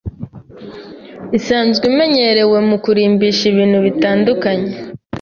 isanzwe imenyerewe mu kurimbisha ibintu bitandukanye